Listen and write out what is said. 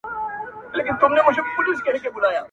ما ته خدای وو دا وړیا نغمت راکړی،